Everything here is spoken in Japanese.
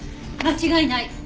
間違いない。